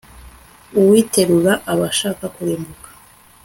uwiterura aba ashaka kurimbuka